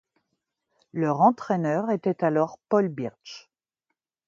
Leur entraîneur était alors Paul Birch.